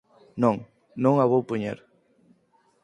Non, non a vou poñer!